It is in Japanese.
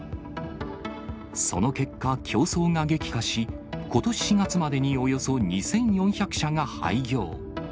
その結果、競争が激化し、ことし４月までにおよそ２４００社が廃業。